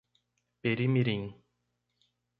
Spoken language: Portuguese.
Peri Mirim